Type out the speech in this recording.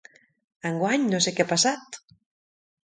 Enguany, no sé què ha passat...